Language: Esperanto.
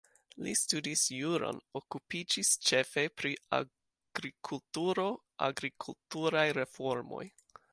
Li studis juron, okupiĝis ĉefe pri agrikulturo, agrikulturaj reformoj.